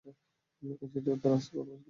এই চিঠির উত্তর আসতে কত বছর লাগলো?